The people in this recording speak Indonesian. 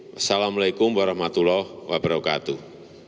wassalamu'alaikum warahmatullahi wabarakatuh